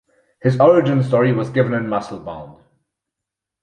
His origin story was given in "Musclebound".